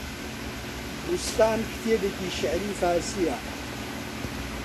بووستان، کتێبێکی شێعری فارسییە